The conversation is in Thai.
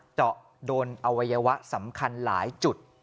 เจาะโดนอวัยวะสำคัญหลายจุด